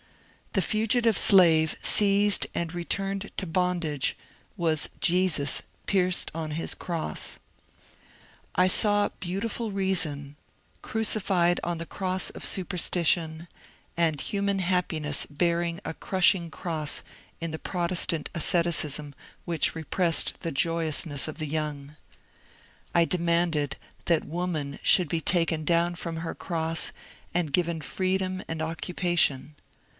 The fugitive slave seized and returned to bondage was Jesus pierced on his cross. I saw beautiful Reason crucified on 270 MONCURE DANIEL CONWAY the cross of Superstition, and human Happiness bearing a crushing cross in the Protestant asceticism which repressed the joyousness of the young. I demanded that woman should be taken down from her cross and given freedom and occu pation.